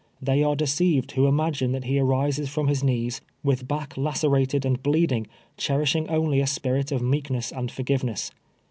They are deceived who imagine that he arises from his knees, with back la cerated and bleeding, cherisliing only a spirit of meek ness and forgiveness.